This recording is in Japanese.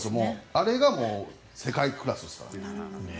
あれが世界クラスですから。